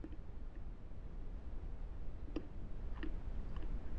包氏平腹蛛为平腹蛛科平腹蛛属的动物。